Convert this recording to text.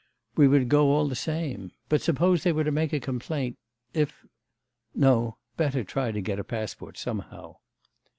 We would go all the same. But suppose they were to make a complaint... if... No, better try to get a passport somehow.